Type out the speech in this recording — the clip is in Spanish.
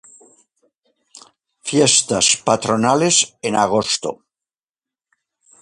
Fiestas patronales en agosto.